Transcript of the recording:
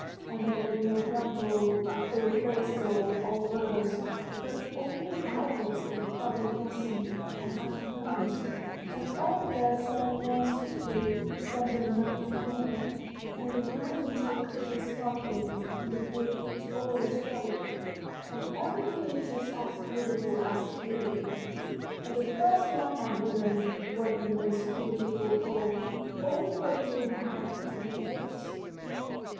And there were no brambles or thistles or burrs, but only violets and clover blossoms and other flowers, and all the birds sang more sweetly than the nightingale, and the fountains were clear and sparkling, and the fruit was always ripe, and everything was just as beautiful as could be, and the first man and woman were the most beautiful of all, only they didn't have any clothes."